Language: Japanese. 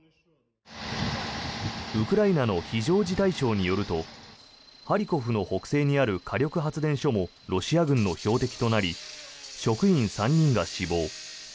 ウクライナの非常事態省によるとハリコフの北西にある火力発電所もロシア軍の標的となり職員３人が死亡。